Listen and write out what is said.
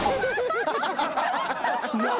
何？